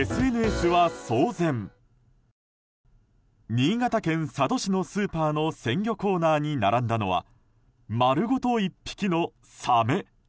新潟県佐渡市のスーパーの鮮魚コーナーに並んだのは丸ごと１匹のサメ。